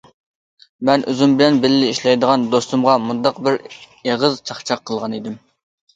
مەن ئۆزۈم بىلەن بىللە ئىشلەيدىغان دوستۇمغا مۇنداق بىر ئېغىز چاقچاق قىلغان ئىدىم.